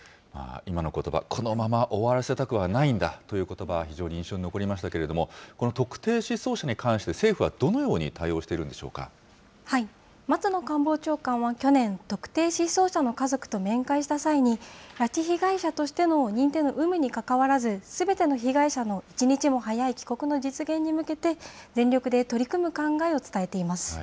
今のことば、このまま終わらせたくはないんだということば、非常に印象に残りましたけれども、この特定失踪者に関して政府はどのように対応し松野官房長官は去年、特定失踪者の家族と面会した際に、拉致被害者としての認定の有無にかかわらず、すべての被害者の一日も早い帰国の実現に向けて、全力で取り組む考えを伝えています。